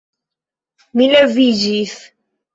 Mi leviĝis.